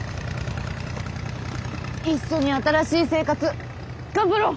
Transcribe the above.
一緒に新しい生活頑張ろう！